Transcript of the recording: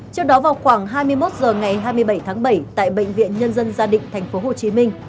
trước đó vào khoảng hai mươi một h ngày hai mươi bảy tháng bảy tại bệnh viện nhân dân gia định tp hcm